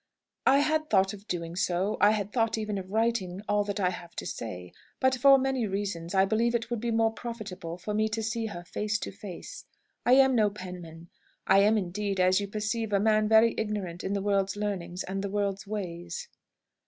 "I had thought of doing so. I had thought, even, of writing all that I have to say. But, for many reasons, I believe it would be more profitable for me to see her face to face. I am no penman. I am indeed, as you perceive, a man very ignorant in the world's learning and the world's ways."